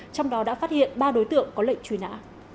trong đó đã phát hiện ba đối tượng có lệnh truy nã